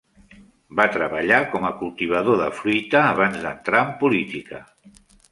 Va treballar com a cultivador de fruita abans d'entrar en política.